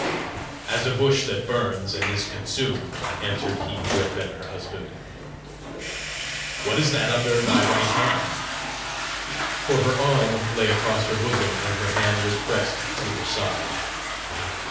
"As a bush that burns, and is consumed," answered he who had been her husband. " What is that under thy right hand?" For her arm lay across her bosom, and her hand was pressed to her side.